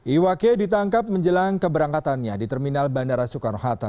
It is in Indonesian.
iwake ditangkap menjelang keberangkatannya di terminal bandara soekarno hatta